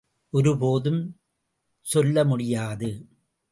ஒருபோதும் சொல்ல முடியாது.